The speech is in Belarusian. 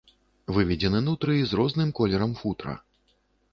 Выведзены нутрыі з розным колерам футра.